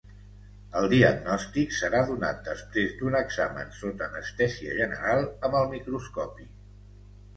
El diagnòstic serà donat després d'un examen sota anestèsia general, amb el microscopi.